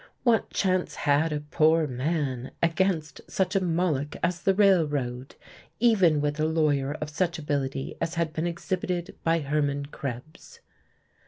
What chance had a poor man against such a moloch as the railroad, even with a lawyer of such ability as had been exhibited by Hermann Krebs?